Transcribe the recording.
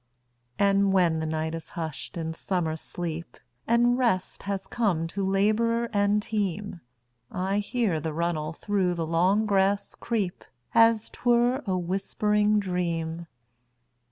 And when the night is hush'd in summer sleep, And rest has come to laborer and team,I hear the runnel through the long grass creep, As 't were a whispering dream.